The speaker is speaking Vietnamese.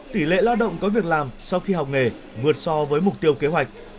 tỷ lệ lao động có việc làm sau khi học nghề vượt so với mục tiêu kế hoạch